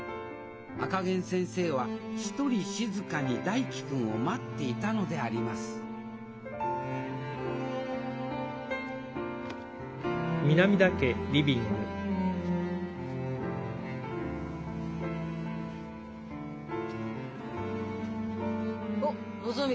赤ゲン先生は一人静かに大樹君を待っていたのでありますおっのぞみ。